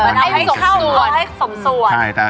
มันเป็นส่วน